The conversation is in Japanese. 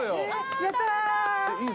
やったー！